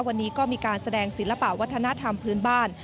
วันนี้ก็มีการแสดงศิลปะวัฒนธรรมพื้นบ้าน